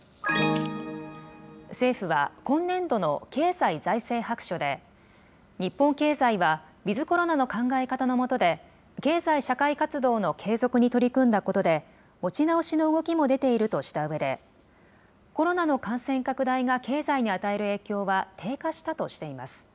政府は、今年度の経済財政白書で、日本経済はウィズコロナの考え方のもとで、経済社会活動の継続に取り組んだことで、持ち直しの動きも出ているとしたうえで、コロナの感染拡大が経済に与える影響は低下したとしています。